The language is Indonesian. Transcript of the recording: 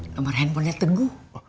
nomor handphonenya teguh